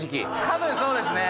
多分そうですね。